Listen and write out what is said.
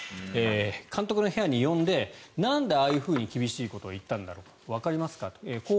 監督の部屋に呼んでなんで、ああいうふうに厳しいことを言ったのかわかりますかとこう